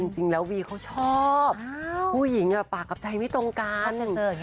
จริงแล้ววีเขาชอบผู้หญิงปากกับใจไม่ตรงกัน